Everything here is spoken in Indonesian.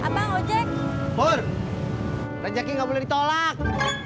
hai apa ngomong jack pur rezeki nggak boleh ditolak